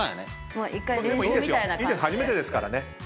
初めてですからね。